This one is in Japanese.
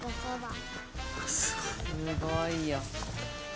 すごいよ。